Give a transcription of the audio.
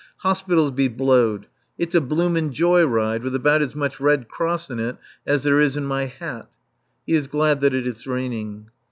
Hospitals be blowed. It's a bloomin' joy ride, with about as much Red Cross in it as there is in my hat. He is glad that it is raining.